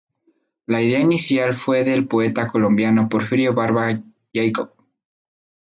La idea inicial fue del poeta colombiano Porfirio Barba Jacob.